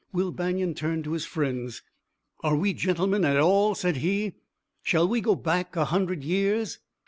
Will Banion turned to his friends. "Are we gentlemen at all?" said he. "Shall we go back a hundred years?"